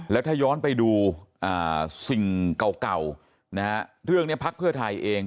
แล้วถ้าย้อนไปดูสิ่งเก่านะฮะเรื่องนี้พักเพื่อไทยเอง